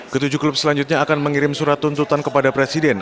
ketujuh klub selanjutnya akan mengirim surat tuntutan kepada presiden